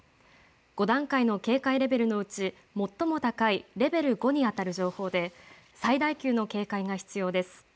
５段階の警戒レベルのうち最も高いレベル５にあたる情報で最大級の警戒が必要です。